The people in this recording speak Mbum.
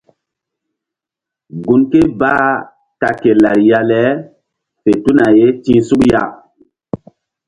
Gun ké bah ta ke lariya le fe tuna ye ti̧h suk ya.